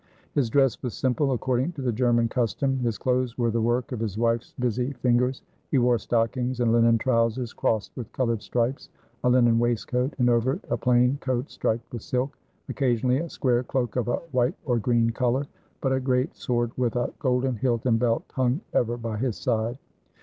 His dress was simple, according to the German cus tom. His clothes were the work of his wife's busy fin gers; he wore stockings and linen trousers crossed with colored stripes, a linen waistcoat, and over it a plain coat striped with silk; occasionally a square cloak of a white or green color. But a great sword, with a golden hilt and belt, hung ever by his side.